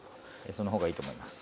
その方がいいと思います。